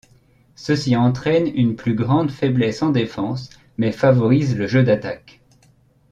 Ceci entraîne une plus grande faiblesse en défense mais favorise le jeu d'attaque.